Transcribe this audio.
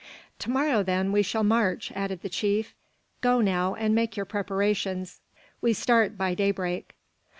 "To morrow, then, we shall march," added the chief. "Go now and make your preparations; we start by daybreak."